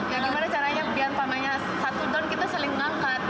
ya gimana caranya biar pamanya satu down kita saling mengangkat